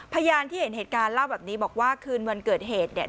พยานที่เห็นเหตุการณ์เล่าแบบนี้บอกว่าคืนวันเกิดเหตุเนี่ย